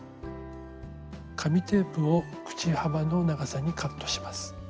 紙テープを口幅の長さにカットします。